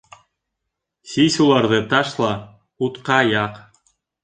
Сис уларҙы, ташла, утҡа яҡ...